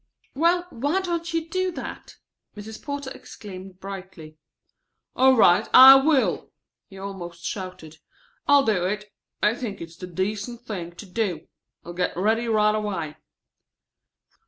"Well, why don't you do that?" Mrs. Porter exclaimed brightly. "All right, I will!" he almost shouted. "I'll do it. I think it's the decent thing to do. I'll get ready right away."